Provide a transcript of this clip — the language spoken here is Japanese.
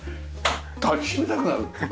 抱きしめたくなる。